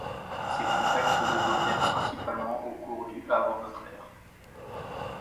Ces contacts se développèrent principalement au cours du avant notre ère.